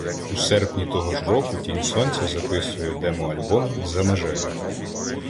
У серпні того ж року «Тінь Сонця» записує демо-альбом «За межею»